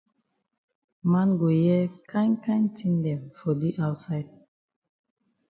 Man go hear kind kind tin dem for di outside.